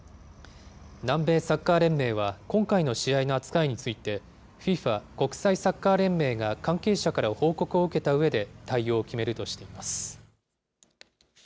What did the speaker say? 南米サッカー連盟は、今回の試合の扱いについて、ＦＩＦＡ・国際サッカー連盟が関係者から報告を受けたうえで対応を決めるとしています。